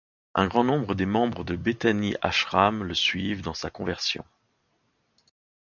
Un grand nombre des membres de Bethany Ashram le suivent dans sa conversion.